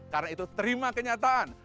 karena itu terima kenyataan